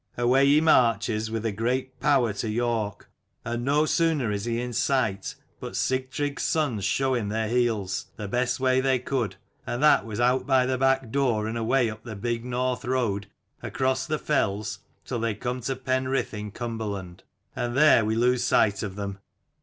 Away he marches with a great power to York; and no sooner is he in sight, but Sigtrygg's sons show him their heels, the best way they could : and that was out by the back door, and away up the big North road, across the fells, till they come to Penrith in Cumberland : and there we lose sight of them.